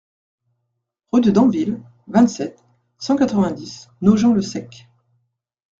Rue de Damville, vingt-sept, cent quatre-vingt-dix Nogent-le-Sec